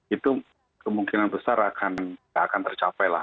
itu kemungkinan besar akan tercapai lah